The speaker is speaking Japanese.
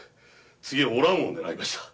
次はおらんを狙いました。